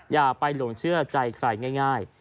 อย่าไปหลงเชื่อใจใครง่าย